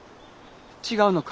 違うのか？